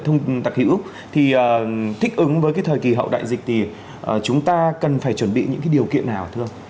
thông đặc hữu thì thích ứng với cái thời kỳ hậu đại dịch thì chúng ta cần phải chuẩn bị những cái điều kiện nào thưa ông